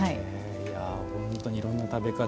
本当にいろんな食べ方